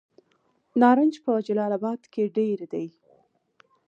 نارنج په جلال اباد کې ډیر دی.